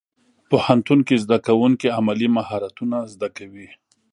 پوهنتون کې زدهکوونکي عملي مهارتونه زده کوي.